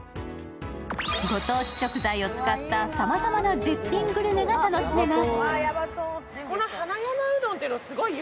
ご当地食材を使ったさまざまな絶品グルメが楽しめます。